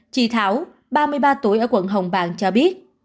chị thảo ba mươi ba tuổi ở quận hồng bàng cho biết